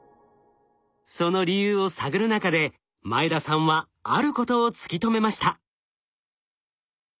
その理由を探る中で前田さんはあることを突き止めました。